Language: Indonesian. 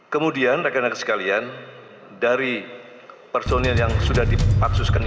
kemudian rakan rakan sekalian dari personil yang sudah dipaksuskan